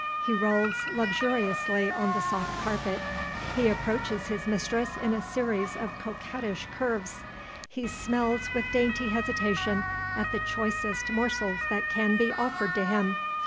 He rolls luxuriously on the soft carpet. He approaches his mistress in a series of coquettish curves. He smells with dainty hesitation at the choicest morsels that can be offered to him.